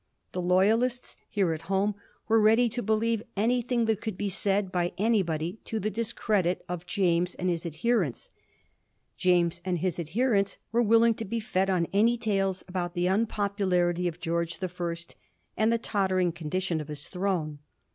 The loyalists here at home were ready to believe anything that could be said by anybody to the discredit of James and his adherents ; James and his adherents were willing to be fed on any tales about the unpopularity of Greorge the First, and the tottering condition of his throne.